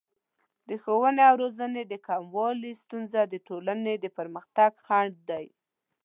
د ښوونې او روزنې د کموالي ستونزه د ټولنې د پرمختګ خنډ دی.